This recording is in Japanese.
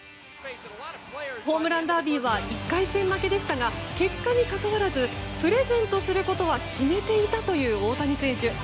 ホームランダービーは１回戦負けでしたが結果にかかわらずプレゼントすることは決めていたという大谷選手。